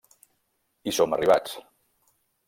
Hi som arribats.